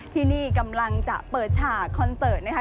ที่นี่กำลังจะเปิดฉากคอนเสิร์ตนะคะ